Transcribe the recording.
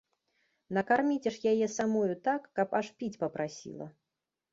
Накарміце ж яе самую так, каб аж піць папрасіла!